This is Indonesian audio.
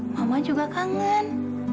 mama juga kangen